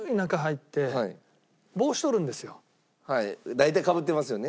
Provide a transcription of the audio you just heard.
大体かぶってますよね。